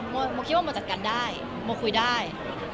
โมคิดว่าโมจัดการได้โมคุยได้